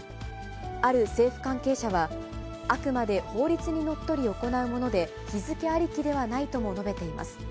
ある政府関係者は、あくまで法律にのっとり行うもので、日付ありきではないとも述べています。